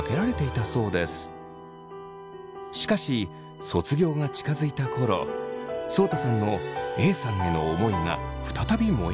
しかし卒業が近づいた頃そうたさんのＡさんへの思いが再び燃え上がります。